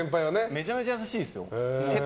めちゃめちゃ優しいですよ。